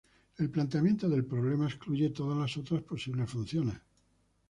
El planteamiento del problema excluye todas las otras posibles funciones.